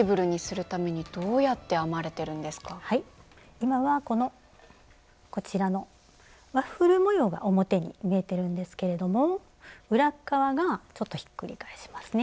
今はこのこちらのワッフル模様が表に見えてるんですけれども裏っかわがちょっとひっくり返しますね